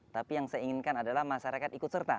tapi yang saya inginkan adalah masyarakat ikut serta